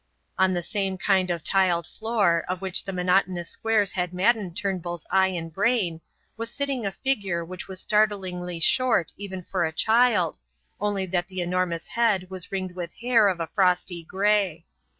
On the same kind of tiled floor, of which the monotonous squares had maddened Turnbull's eye and brain, was sitting a figure which was startlingly short even for a child, only that the enormous head was ringed with hair of a frosty grey.